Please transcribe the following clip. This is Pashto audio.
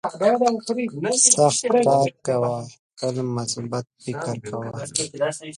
سخت کار کوه تل مثبت فکر کوه.